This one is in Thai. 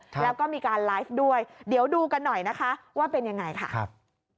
แล้วก็มีการไลฟ์ด้วยเดี๋ยวดูกันหน่อยนะคะว่าเป็นยังไงค่ะครับ